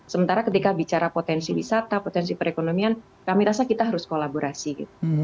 sementara ketika bicara potensi wisata potensi perekonomian kami rasa kita harus kolaborasi gitu